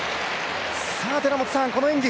さあ寺本さん、この演技。